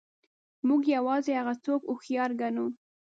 موږ یوازې هغه څوک هوښیار ګڼو.